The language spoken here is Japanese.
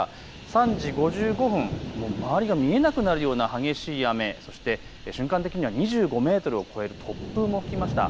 ３時５５分、周りが見えなくなるような激しい雨、そして瞬間的には２５メートルを超える突風も吹きました。